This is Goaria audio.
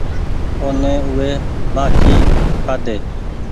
او ني او وي مآڪي کآڍي ۔